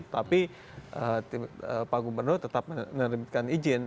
tapi pak gubernur tetap menerbitkan izin